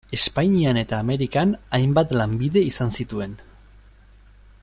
Espainian eta Amerikan hainbat lanbide izan zituen.